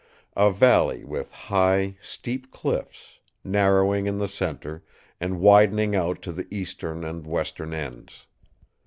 A valley with high, steep cliffs; narrowing in the centre, and widening out to the eastern and western ends.